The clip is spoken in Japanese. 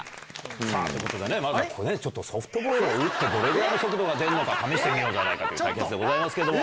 さあ、ということで、まずはここね、ちょっとソフトボールを打って、どれくらいの速度が出るのか試してみようじゃないかという対決でございますけれども。